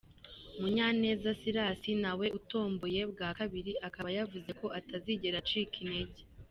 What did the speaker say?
Munyaneza Silas na we utomboye bwa kabiri akaba yavuze ko atazigera acika intege.